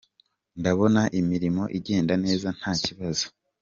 Ndabona imirimo igenda neza nta kibazo.